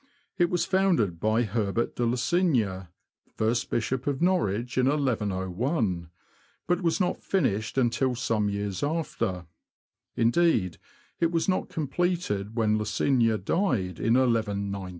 It was founded by Herbert de Losigna, first Bishop of Norwich, in iioi, but was not finished until some years after ; indeed, it was not completed when Losigna died, in iiig.